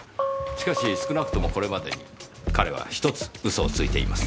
しかし少なくともこれまでに彼は１つ嘘をついています。